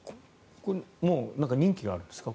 これ、任期があるんですか？